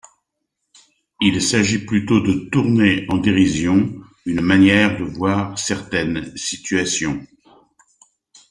Il s'agit plutôt de tourner en dérision une manière de voir certaines situations.